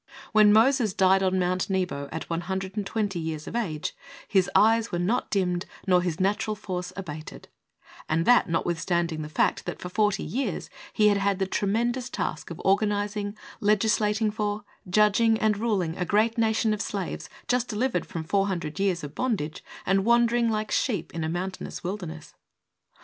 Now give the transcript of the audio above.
When Moses died on Mount Nebo at 120 years of age, "his eyes were not dimmed nor his natural force abated," and that notwithstanding the fact that for forty years he had had the tremen dous task of organizing, legislating for, judging, and ruling a great nation of slaves just delivered from 400 years of bondage and wandering like sheep in a mountainous wilderness.